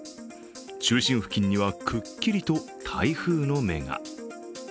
中心付近にはくっきりと台風の目が。